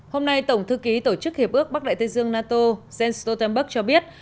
hôm nay tổng thư ký tổ chức hiệp ước bắc đại tây dương nato jens stoltenberg cho biết